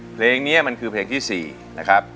เพลงนี้มันคือเพลงที่๔นะครับ